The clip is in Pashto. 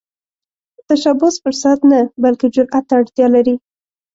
تشبث فرصت نه، بلکې جرئت ته اړتیا لري